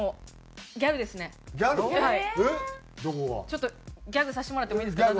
ちょっとギャグさせてもらってもいいですか？